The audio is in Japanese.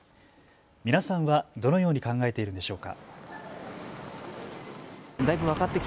皆さんはどのように考えているんでしょうか。